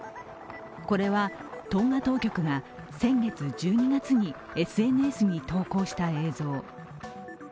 これはトンガ当局が先月１２月にＳＮＳに投稿した映像。